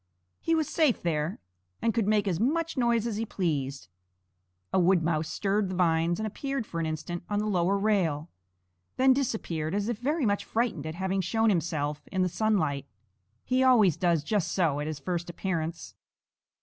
He was safe there, and could make as much noise as he pleased. A wood mouse stirred the vines and appeared for an instant on the lower rail, then disappeared as if very much frightened at having shown himself in the sunlight. He always does just so at his first appearance.